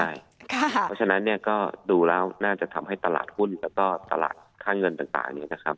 ใช่ฉะนั้นดูแล้วน่าจะทำให้ตลาดหุ้นและตลาดค่าเงินต่าง